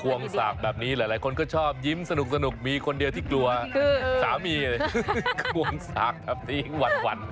วงสากแบบนี้หลายคนก็ชอบยิ้มสนุกมีคนเดียวที่กลัวสามีควงสากแบบนี้หวั่น